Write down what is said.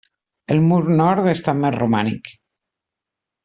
El mur nord és també romànic.